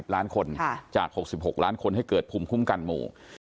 ล้านคนจาก๖๖ล้านคนให้เกิดภูมิคุ้มกันหมู่